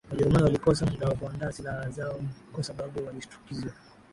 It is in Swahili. Wajerumani walikosa muda wa kuandaa silaha zao kwa sababu walishtukizwa